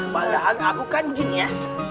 malahan aku kan jin ya